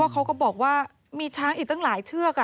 เขาก็บอกว่ามีช้างอีกตั้งหลายเชือก